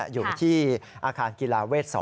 อยู่ที่อาคารกีฬาเวท๒